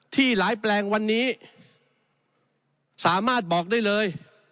ที่หลายแปลงวันนี้สามารถบอกได้เลย